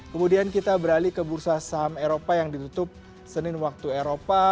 kemudian kita beralih ke bursa saham eropa yang ditutup senin waktu eropa